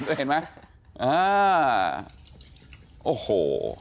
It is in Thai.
เห็นไหมอ่าโอ้โห